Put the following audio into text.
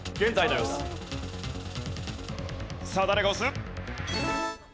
さあ誰が押す？